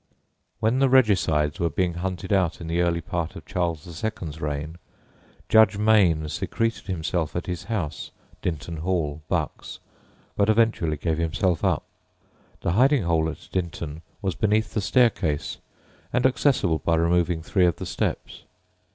When the regicides were being hunted out in the early part of Charles II.'s reign, Judge Mayne secreted himself at his house, Dinton Hall, Bucks, but eventually gave himself up. The hiding hole at Dinton was beneath the staircase, and accessible by removing three of the steps.